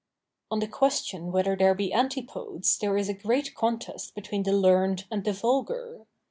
On the question whether there be antipodes there is a great contest between the learned and the vulgar.